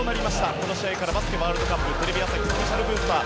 この試合からバスケワールドカップテレビ朝日スペシャルブースター